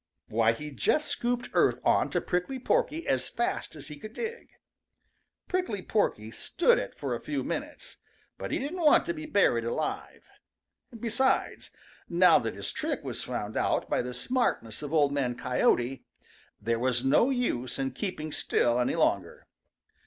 Why, he just scooped earth on to Prickly Porky as fast as he could dig. Prickly Porky stood it for a few minutes, but he didn't want to be buried alive. Besides, now that his trick was found out by the smartness of Old Man Coyote, there was no use in keeping still any longer.